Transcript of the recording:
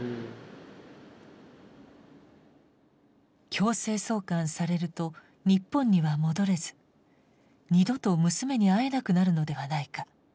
強制送還されると日本には戻れず二度と娘に会えなくなるのではないか。